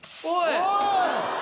おい！